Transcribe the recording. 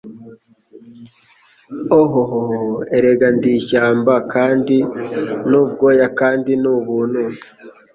Ohohoh erega Ndi ishyamba kandi ni ubwoya kandi ni ubuntu